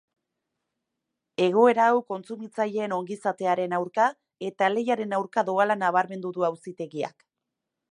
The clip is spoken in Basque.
Egoera hau kontsumitzaileen ongizatearen aurka eta lehiaren aurka doala nabarmendu du auzitegiak.